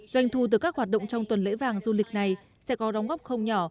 doanh thu từ các hoạt động trong tuần lễ vàng du lịch này sẽ có đóng góp không nhỏ